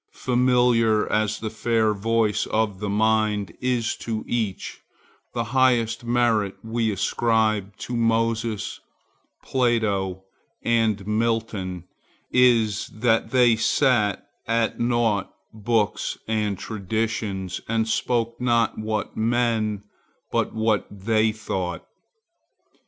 Familiar as the voice of the mind is to each, the highest merit we ascribe to Moses, Plato and Milton is that they set at naught books and traditions, and spoke not what men, but what they thought.